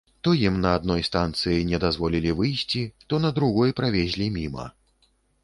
То ім на адной станцыі не дазволілі выйсці, то на другой правезлі міма.